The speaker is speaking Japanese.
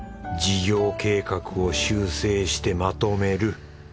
事業計画を修正してまとめる